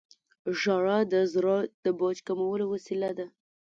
• ژړا د زړه د بوج کمولو وسیله ده.